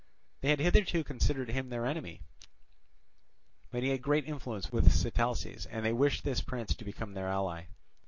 They had hitherto considered him their enemy; but he had great influence with Sitalces, and they wished this prince to become their ally.